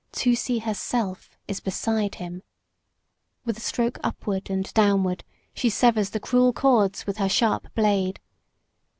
Tusee herself is beside him. With a stroke upward and downward she severs the cruel cords with her sharp blade.